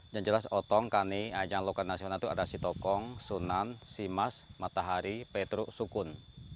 yang jelas otong kani ajang lokal nasional itu ada sitokong sunan simas matahari petruk sukun